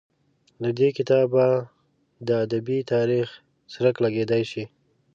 له دې کتابه د ادبي تاریخ څرک لګېدای شي.